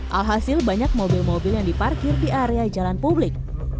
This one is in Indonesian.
alhasil banyak mobil mobil yang diparkir di area jalan publik